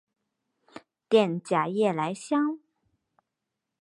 滇假夜来香